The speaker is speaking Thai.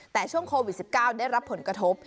แต่ช่วงโควิด๑๙ได้รับผลกระทบ